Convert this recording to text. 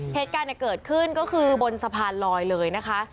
เหตุการณ์เกิดขึ้นก็คือบนสะพานลอยเลยนะคะ